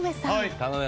・頼む。